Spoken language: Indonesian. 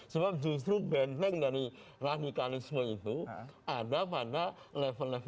sebab justru benteng dari radikalisme itu ada pada level level